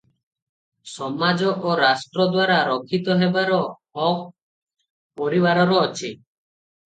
ସମାଜ ଓ ରାଷ୍ଟ୍ରଦ୍ୱାରା ରକ୍ଷିତ ହେବାର ହକ ପରିବାରର ଅଛି ।